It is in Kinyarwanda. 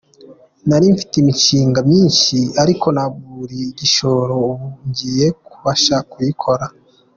Nari mfite imishinga myinshi ariko naburiye igishoro ubu ngiye kubasha kuyikora.